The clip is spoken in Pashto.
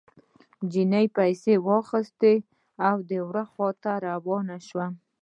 نجلۍ پيسې واخيستې او د وره خوا ته روانه شوه.